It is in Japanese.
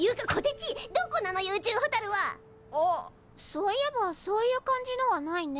そういえばそういう感じのはないね。